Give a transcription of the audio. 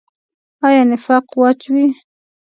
آیا نفاق واچوي؟